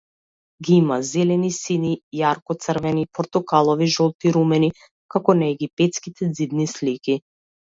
Ги има зелени, сини, јарко црвени, портокалови, жолти, румени, како на египетските ѕидни слики.